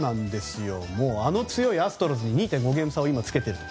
あの強いアストロズに２．５ゲーム差を今つけている。